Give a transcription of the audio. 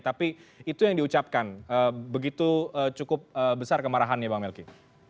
tapi itu yang diucapkan begitu cukup besar kemarahannya bang melki